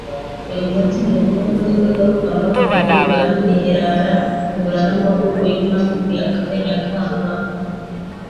Uyu munsi mukuru munini ngarukamwaka w'ubwo bwami ni Heilala, uhura n'amavuko y'umwami ku ya kane Nyakanga